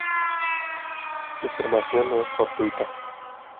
Su formación no es fortuita.